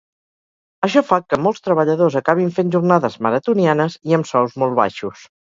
Això fa que molts treballadors acabin fent jornades ‘maratonianes’ i amb sous molt baixos.